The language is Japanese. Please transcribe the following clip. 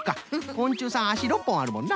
こんちゅうさんあし６ぽんあるもんな。